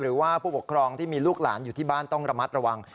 หรือว่าผู้ปกครองที่มีลูกหลานอยู่ที่บ้านต้องระมัดระวัง